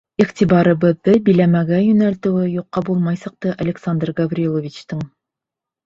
Иғтибарыбыҙҙы биләмәгә йүнәлтеүе юҡҡа булмай сыҡты Александр Гавриловичтың.